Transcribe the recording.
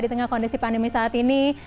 di tengah kondisi pandemi saat ini